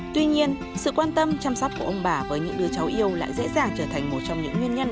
tuy nhiên sự quan tâm chăm sóc của ông bà với những đứa cháu yêu lại dễ dàng trở thành một trong những nguyên nhân